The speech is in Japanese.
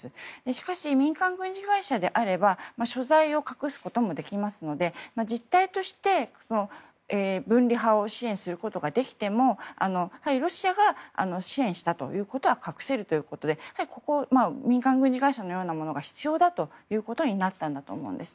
しかし民間軍事会社であれば所在を隠すこともできますので実態として分離派を支援することができてもロシアが支援したということは隠せるということで民間軍事会社のようなものが必要だということになったんだと思います。